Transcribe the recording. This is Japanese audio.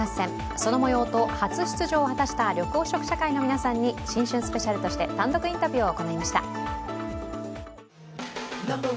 そのもようと初出場を果たした緑黄色社会の皆さんに、新春スペシャルとして単独インタビューをしました。